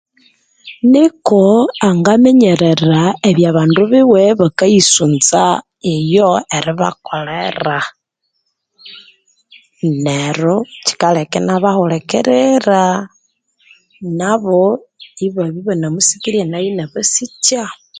Nuko angaminyerera ebya abandu biwe bakayisunza iyo eribakolera nero kyikaleka inabahulikirira nabo ibabya ibanamusikirye nayo inabasikya.